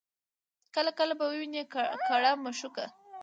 کله کله به یې ویني کړه مشوکه